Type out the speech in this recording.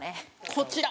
こちら！